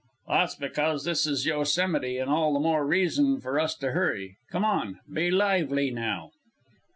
"That's because this is Yosemite, and all the more reason for us to hurry. Come on! Be lively, now!"